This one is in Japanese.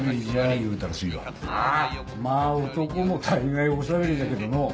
まぁ男も大概おしゃべりじゃけどのう。